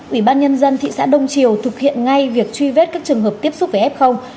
ủy ban nhân dân thị xã đông triều thực hiện ngay việc truy vết các trường hợp tiếp xúc với f